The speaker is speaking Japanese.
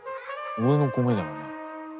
俺の米だよお前。